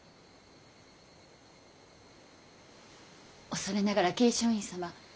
恐れながら桂昌院様。